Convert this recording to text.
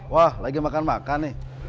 wah lagi makan makan nih